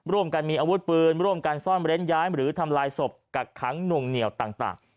ร่วมกันมีอาวุธปืนร่วมกันซ่อนเร้นย้ายหรือทำลายศพกักขังหน่วงเหนียวต่าง